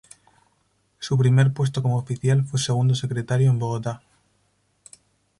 Su primer puesto como oficial fue segundo secretario en Bogotá.